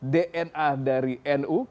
dna dari nu